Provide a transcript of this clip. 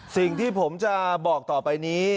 สิ่งที่ผมจะบอกต่อไปนี้